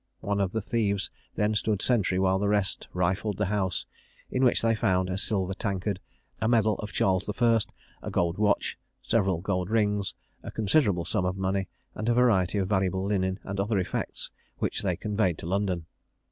One of the thieves then stood sentry while the rest rifled the house, in which they found a silver tankard, a medal of Charles I., a gold watch, several gold rings, a considerable sum of money, and a variety of valuable linen and other effects, which they conveyed to London.